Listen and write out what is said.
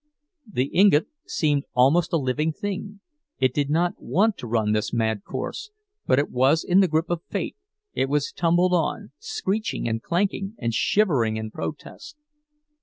The ingot seemed almost a living thing; it did not want to run this mad course, but it was in the grip of fate, it was tumbled on, screeching and clanking and shivering in protest.